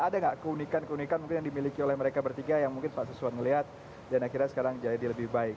ada nggak keunikan keunikan mungkin yang dimiliki oleh mereka bertiga yang mungkin pak suswan melihat dan akhirnya sekarang jadi lebih baik